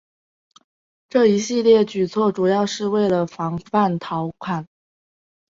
这一系列举措主要是为防范陶侃。